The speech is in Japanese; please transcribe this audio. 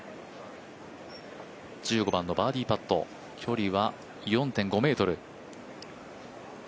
１５番のバーディーパット距離は４．５ｍ。